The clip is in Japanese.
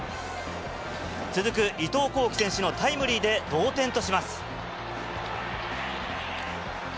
続く伊藤光輝選手のタイムリーで同点とします。